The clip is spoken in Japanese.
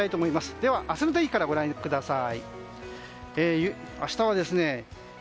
では、明日の天気からご覧ください。